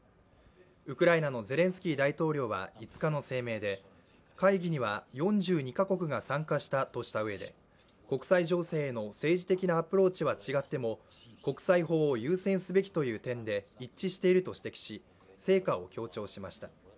ウクライナのゼレンスキー大統領は５日の声明で会議には４２か国が参加したとしたうえで国際情勢への政治的なアプローチは違っても、国際法を優先すべきという点で一致していると指摘し、成果を強調しました。